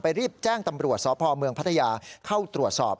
รีบแจ้งตำรวจสพเมืองพัทยาเข้าตรวจสอบ